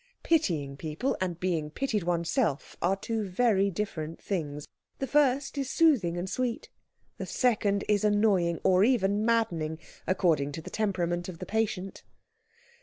Pitying people and being pitied oneself are two very different things. The first is soothing and sweet, the second is annoying, or even maddening, according to the temperament of the patient.